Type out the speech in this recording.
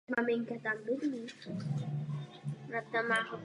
Společnost je členem skupiny Škoda Transportation.